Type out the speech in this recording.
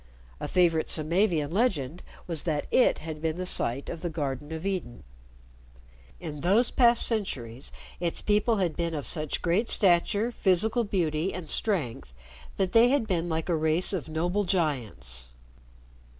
A favorite Samavian legend was that it had been the site of the Garden of Eden. In those past centuries, its people had been of such great stature, physical beauty, and strength, that they had been like a race of noble giants.